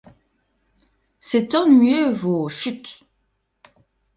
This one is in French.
C'est ennuyeux, vos : chut !